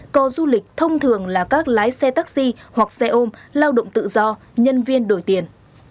cò du lịch thông thường là các lái xe taxi hoặc xe ôm lao động tự do nhân viên đổi tiền